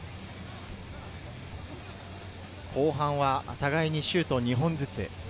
後半は互いにシュートを２本ずつ。